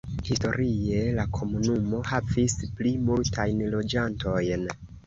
Historie la komunumo havis pli multajn loĝantojn.